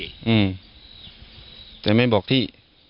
อืมแต่ไม่บอกที่